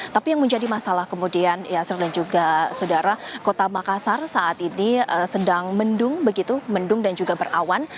tapi yang menjadi masalah kemudian yaser dan juga saudara kota makassar saat ini sedang mendung begitu mendung dan juga berawan